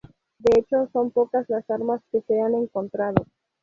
De hecho, son pocas las armas que se han encontrado.